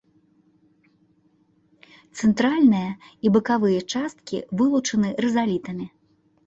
Цэнтральная і бакавая часткі вылучаны рызалітамі.